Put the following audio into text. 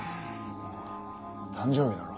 誕生日だろ？